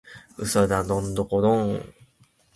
嘘だドンドコドーン！